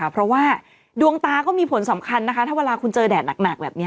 เพราะว่าดวงตาก็มีผลสำคัญนะคะถ้าเวลาคุณเจอแดดหนักแบบนี้